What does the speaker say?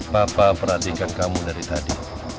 papa perhatikan kamu dari tadi